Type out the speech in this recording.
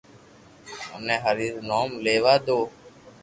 مني ھري رو نوم ليوا دو